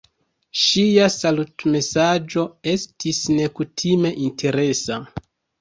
Ŝia salutmesaĝo estis nekutime interesa.